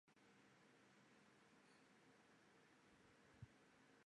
本列表列出了哥斯达黎加的活火山与死火山。